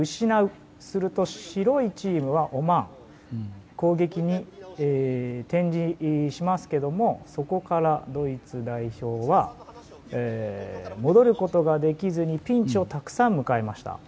すると、白いチームオマーン攻撃に転じますがそこから、ドイツ代表は戻ることができずにピンチをたくさん迎えました。